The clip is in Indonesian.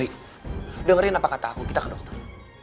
dengerin apa kata aku kita ke dokter